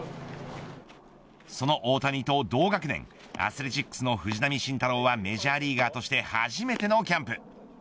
その大谷と同学年アスレチックスの藤浪晋太郎はメジャーリーガーとして初めてのキャンプ。